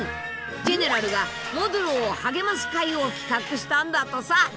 ジェネラルがモドゥローを励ます会を企画したんだとさ。